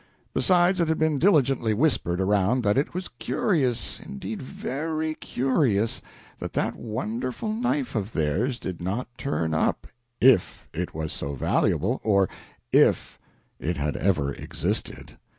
Besides, it had been diligently whispered around that it was curious indeed, very curious that that wonderful knife of theirs did not turn up if it was so valuable, or if it had ever existed.